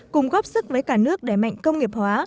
cùng góp sức với cả nước đẩy mạnh công nghiệp hóa